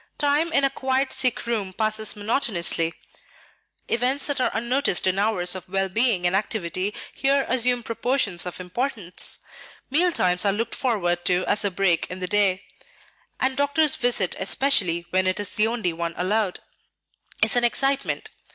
Time in a quiet sick room passes monotonously; events that are unnoticed in hours of well being and activity here assume proportions of importance; meal times are looked forward to as a break in the day; the doctor's visit especially when it is the only one allowed, is an excitement.